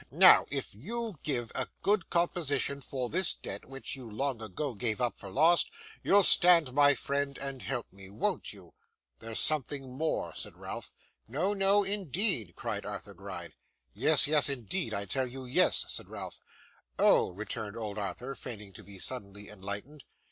Now, if you get a good composition for this debt, which you long ago gave up for lost, you'll stand my friend, and help me. Won't you?' 'There's something more,' said Ralph. 'No, no, indeed,' cried Arthur Gride. 'Yes, yes, indeed. I tell you yes,' said Ralph. 'Oh!' returned old Arthur feigning to be suddenly enlightened.